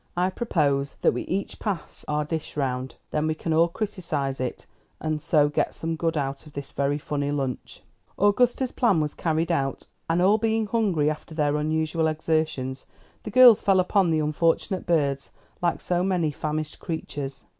I propose that we each pass our dish round; then we can all criticise it, and so get some good out of this very funny lunch." Augusta's plan was carried out; and all being hungry after their unusual exertions, the girls fell upon the unfortunate birds like so many famished creatures.